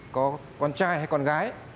có con trai hay con gái